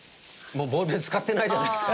ボールペン使ってないじゃないですか。